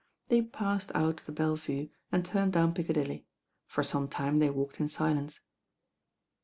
They passed out of the Belle Vue and turned down Piccadilly. For some time they walked in silence.